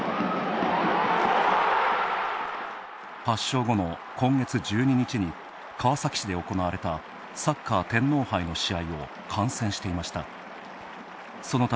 発症後の今月１２日に川崎市で行われたサッカー天皇杯の試合を観戦していました。